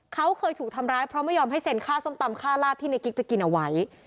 เขาเคยถูกทำร้ายเพราะไม่ยอมให้เซ็นค่าส้มตำค่าลาบที่ในกิ๊กไปกินเอาไว้